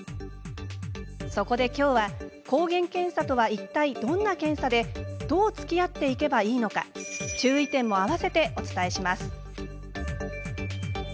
そこできょうは、抗原検査とはいったいどんな検査でどうつきあっていけばいいのか注意点も合わせてお伝えします。